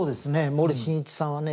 森進一さんはね